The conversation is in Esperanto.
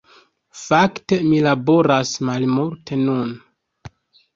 Fakte, mi laboras malmulte nun.